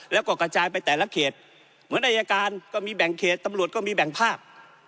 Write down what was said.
แล้วก็กระจายไปแต่ละเขตเหมือนอายการก็มีแบ่งเขตตำรวจก็มีแบ่งภาพ